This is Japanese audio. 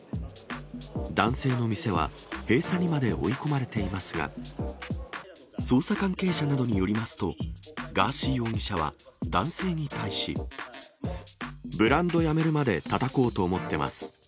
男性の店は、閉鎖にまで追い込まれていますが、捜査関係者などによりますと、ブランドやめるまでたたこうと思ってます。